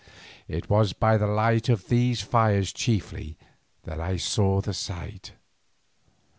It was by the light of these fires chiefly that I saw the sight.